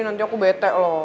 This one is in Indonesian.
nanti aku bete loh